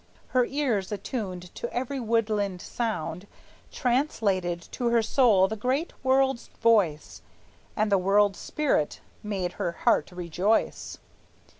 Her ears, attuned to every woodland sound, Translated to her soul the great world's voice, And the world spirit made her heart rejoice.